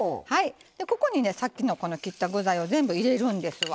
ここにねさっきの切った具材を全部入れるんですわ。